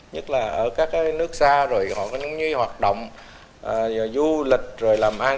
nhất là ở các nước xa rồi họ có những hoạt động du lịch rồi làm ăn